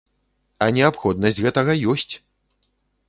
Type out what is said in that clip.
А неабходнасць гэтага ёсць!